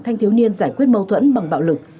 thanh thiếu niên giải quyết mâu thuẫn bằng bạo lực